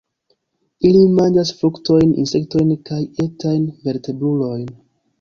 Ili manĝas fruktojn, insektojn kaj etajn vertebrulojn.